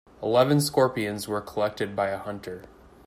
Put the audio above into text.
Eleven scorpions were collected by a hunter.